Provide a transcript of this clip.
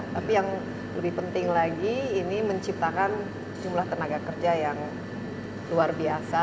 tapi yang lebih penting lagi ini menciptakan jumlah tenaga kerja yang luar biasa